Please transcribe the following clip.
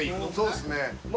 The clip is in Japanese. そうですね。